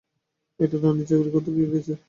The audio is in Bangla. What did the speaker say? এটা রাণীর চাকুরী করতে গিয়ে হয়েছে।